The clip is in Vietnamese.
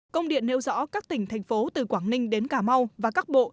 công điện nêu rõ các tỉnh thành phố từ quảng ninh đến cà mau và các bộ